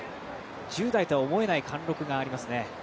１０代とは思えない貫禄がありますね。